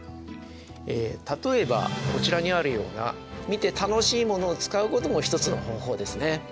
例えばこちらにあるような見て楽しいものを使うことも一つの方法ですね。